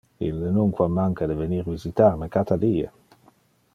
Ille nunquam manca de venir visitar me cata die.